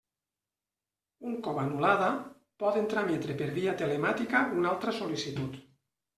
Un cop anul·lada, poden trametre per via telemàtica una altra sol·licitud.